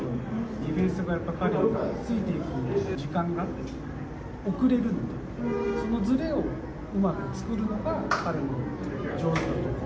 ディフェンスがやっぱり彼についていく時間が遅れるので、そのずれをうまく作るのが、彼の上手なところ。